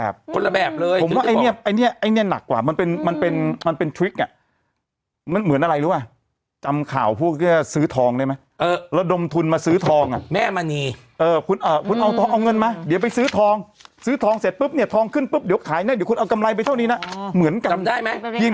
เออมันเอาเงินไปลงมันเป็นคนละแบบแบบนั้นเนี้ยถูกต้องป่ะคนละแบบ